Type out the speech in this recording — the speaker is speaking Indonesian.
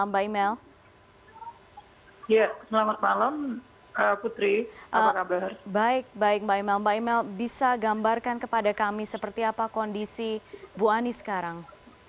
bisa gambarkan kepada kami seperti apa kondisi bu ani sekarang